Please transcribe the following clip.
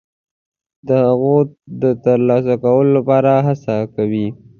د هغو د ترلاسه کولو لپاره هڅه کوي.